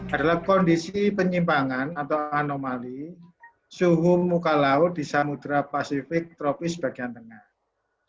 adalah kondisi penyimpangan atau anomali suhu muka laut di samudera pasifik tropis bagian tengah